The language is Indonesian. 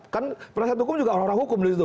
kan penasihat hukum juga orang orang hukum